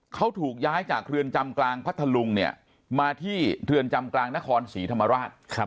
เขาถูกย้ายจากเรือนจำกลางพัทธลุงเนี่ยมาที่เรือนจำกลางนครศรีธรรมราช